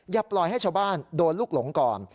อย่าปล่อยให้ชาวบ้านโดนลูกหลงก่อน